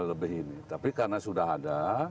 lebih ini tapi karena sudah ada